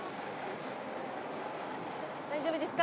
大丈夫ですか？